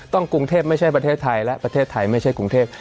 กรุงเทพไม่ใช่ประเทศไทยและประเทศไทยไม่ใช่กรุงเทพ